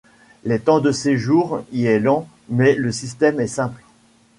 Le temps de séjour y est lent mais le système est simple.